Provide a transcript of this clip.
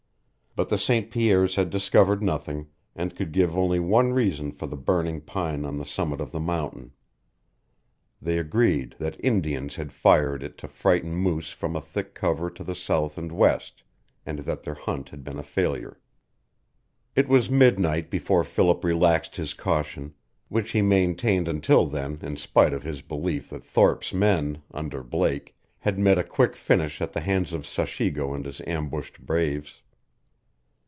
But the St. Pierres had discovered nothing, and could give only one reason for the burning pine on the summit of the mountain. They agreed that Indians had fired it to frighten moose from a thick cover to the south and west, and that their hunt had been a failure. It was midnight before Philip relaxed his caution, which he maintained until then in spite of his belief that Thorpe's men, under Blake, had met a quick finish at the hands of Sachigo and his ambushed braves.